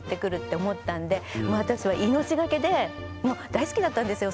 私は命懸けでもう大好きだったんですよ